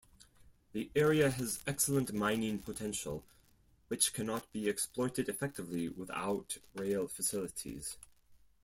The area has excellent mining potential which cannot be exploited effectively without rail facilities.